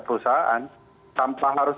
perusahaan tanpa harus